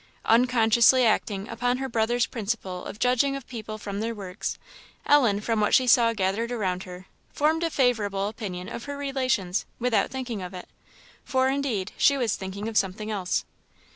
Unconsciously acting upon her brother's principle of judging of people from their works, Ellen, from what she saw gathered around her, formed a favourable opinion of her relations, without thinking of it, for indeed she was thinking of something else.